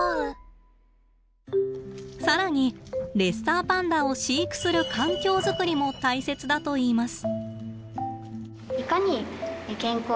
更にレッサーパンダを飼育する環境作りも大切だといいます。